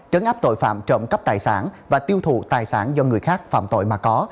trấn áp tội phạm trộm cắp tài sản và tiêu thụ tài sản do người khác phạm tội mà có